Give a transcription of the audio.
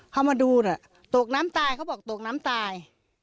เขามาดูน่ะตกน้ำตายเขาบอกตกน้ำตาย